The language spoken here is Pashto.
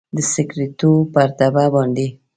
د سګریټو پر ډبه باندې